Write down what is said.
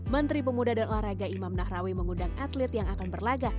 menteri pemuda dan olahraga imam nahrawi mengundang atlet yang akan berlagak